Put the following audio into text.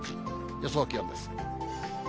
予想気温です。